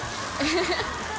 ハハハ。